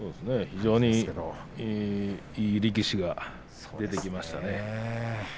非常にいい力士が出てきましたね。